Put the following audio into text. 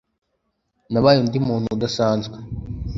nabaye undi muntu udasanzwe